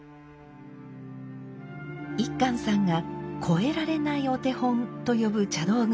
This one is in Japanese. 一閑さんが「超えられないお手本」と呼ぶ茶道具があります。